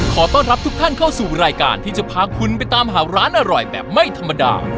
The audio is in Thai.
ขอต้อนรับทุกท่านเข้าสู่รายการที่จะพาคุณไปตามหาร้านอร่อยแบบไม่ธรรมดา